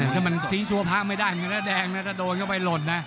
ถ้ามันสีสวผ้าไม่ได้มันก็จะแดงนะที่โดนก็ไปหล่นนะ